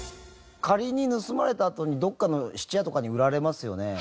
仮に盗まれたあとにどっかの質屋とかに売られますよね。